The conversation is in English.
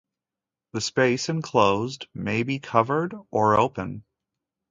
The space enclosed may be covered or open.